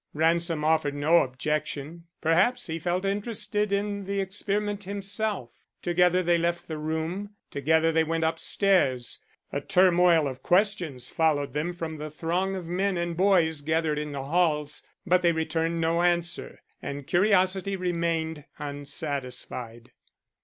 Ransom offered no objection. Perhaps he felt interested in the experiment himself. Together they left the room, together they went up stairs. A turmoil of questions followed them from the throng of men and boys gathered in the halls, but they returned no answer and curiosity remained unsatisfied.